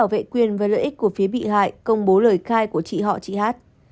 vệ quyền với lợi ích của phía bị hại công bố lời khai của chị họ chị hát